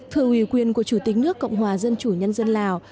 thưa ủy quyền của chủ tịch nước cộng hòa dân chủ nhân dân lào